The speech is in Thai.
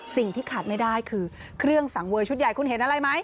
สิ่งที่ขาดไม่ได้คือเครื่องสังเวยชุดใหญ่คุณเห็นอะไรไหม